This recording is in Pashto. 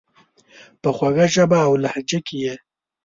په خوږه ژبه اولهجه کي یې،